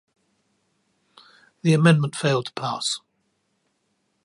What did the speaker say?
The amendment failed to pass.